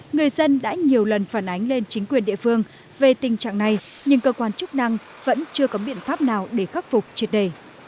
người dân đã nhiều lần phản ánh lên chính quyền địa phương về tình trạng này nhưng cơ quan chức năng vẫn chưa có biện pháp nào để khắc phục triệt đề